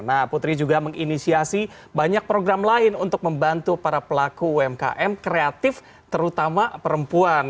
nah putri juga menginisiasi banyak program lain untuk membantu para pelaku umkm kreatif terutama perempuan